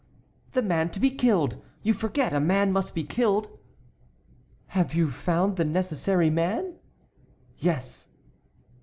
"The man to be killed; you forget a man must be killed." "Have you found the necessary man?" "Yes."